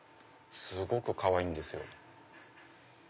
すごくかわいいんですよ。